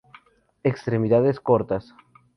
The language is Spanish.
Extremidades cortas.